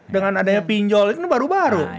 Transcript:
dengan adanya pinjol ini baru baru